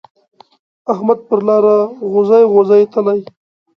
احمد پر لار غوزی غوزی تلی.